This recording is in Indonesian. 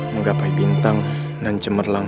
menggapai bintang dan cemerlang